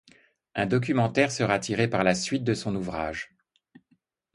Un documentaire sera tiré par la suite de son ouvrage.